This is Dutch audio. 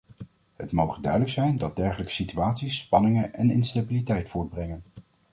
Het moge duidelijk zijn dat dergelijke situaties spanningen en instabiliteit voortbrengen.